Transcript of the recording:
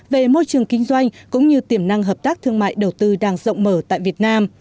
về môi trường kinh doanh cũng như tiềm năng hợp tác thương mại đầu tư đang rộng mở tại việt nam